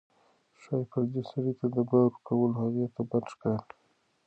ښایي پردي سړي ته د بار ورکول هغې ته بد ښکاري.